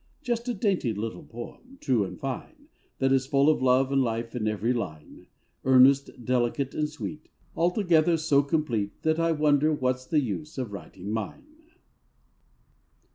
Just a dainty little poem, true and fine, That is full of love and life in every line, Earnest, delicate, and sweet, Altogether so complete That I wonder what's the use of writing mine.